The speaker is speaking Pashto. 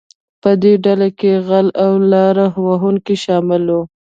په دې ډله کې غلۀ او لاره وهونکي شامل وو.